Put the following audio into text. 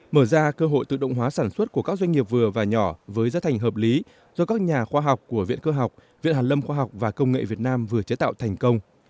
mở ra cơ hội tự động hóa sản xuất của các doanh nghiệp vừa và nhỏ với giá thành hợp lý do các nhà khoa học của viện cơ học viện hàn lâm khoa học và công nghệ việt nam vừa chế tạo thành công